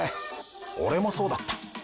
俺もそうだった。